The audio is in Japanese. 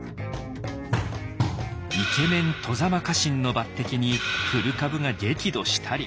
イケメン外様家臣の抜てきに古株が激怒したり。